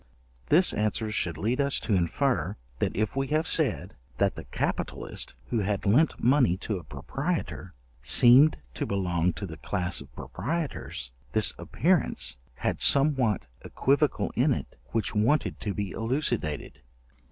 This answer should lead us to infer, that if we have said, that the capitalist who had lent money to a proprietor, seemed to belong to the class of proprietors, this appearance had somewhat equivocal in it which wanted to be elucidated.